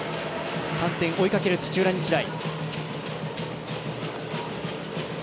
３点、追いかける土浦日大。